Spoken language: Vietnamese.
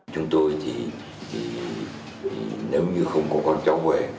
chúng tôi chỉ nếu như không có con cháu về